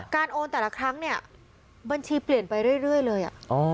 โอนแต่ละครั้งเนี่ยบัญชีเปลี่ยนไปเรื่อยเลย